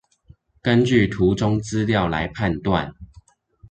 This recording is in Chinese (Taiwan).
根據圖中資料來判斷